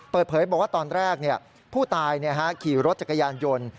เปิดเผยบอกว่าตอนแรกผู้ตายขี่รถจักรยานยนต์